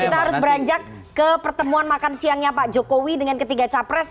kita harus beranjak ke pertemuan makan siangnya pak jokowi dengan ketiga capres